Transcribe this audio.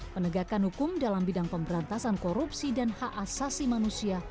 penegakan hukum dalam bidang pemberantasan korupsi dan hak asasi manusia